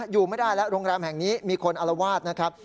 อยู่ไม่ได้แล้วโรงแรมแห่งนี้มีคนอลวาดนะครับ